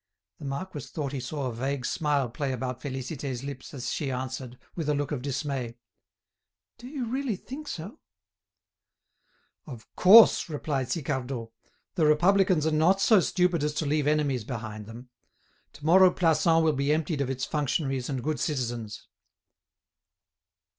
The marquis thought he saw a vague smile play about Félicité's lips as she answered, with a look of dismay: "Do you really think so?" "Of course!" replied Sicardot; "the Republicans are not so stupid as to leave enemies behind them. To morrow Plassans will be emptied of its functionaries and good citizens."